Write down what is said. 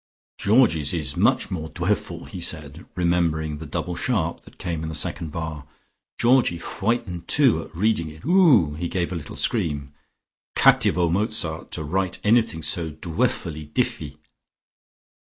"Georgie's is much more dwefful!" he said, remembering the double sharp that came in the second bar. "Georgie fwightened too at reading it. O o h," and he gave a little scream. "Cattivo Mozart to wite anything so dwefful diffy!"